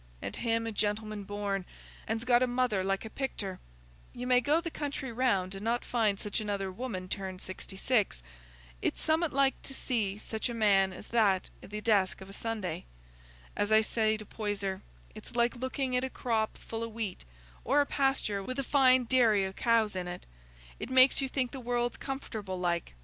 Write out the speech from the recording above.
And him a gentleman born, and's got a mother like a picter. You may go the country round and not find such another woman turned sixty six. It's summat like to see such a man as that i' the desk of a Sunday! As I say to Poyser, it's like looking at a full crop o' wheat, or a pasture with a fine dairy o' cows in it; it makes you think the world's comfortable like.